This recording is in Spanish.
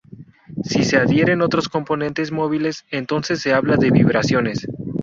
Si se adhieren otros componentes móviles entonces se habla de vibraciones.